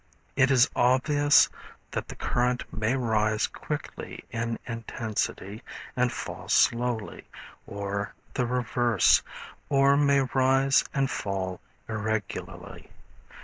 It is obvious that the current may rise quickly in intensity and fall slowly, or the reverse, or may rise and fall irregularly.